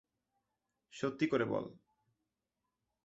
সত্যি করে বল।